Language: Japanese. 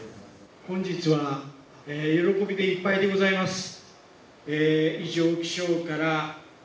本日は喜びでいっぱいでございます。